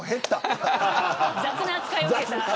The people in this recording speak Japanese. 雑な扱いを受けた。